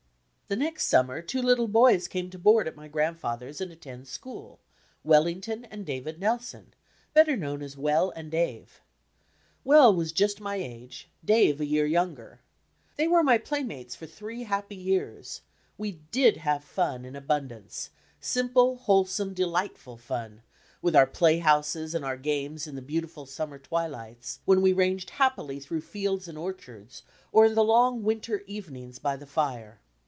The next summer two Htde boys came to board at my grandfather's and anend school, Wellington and David Nelson, better known as "Well" and "Dave." Well was just my age, Dave a year younger. They were my playmates for Digilized by Google three happy yean; we did have fun in abundance, simple, wholesome, delightful fun, with our playhouses and our games in the beautiful summer twilights, when we ranged htq>pily through fields and orchards, or in the long winter evenings by the fire.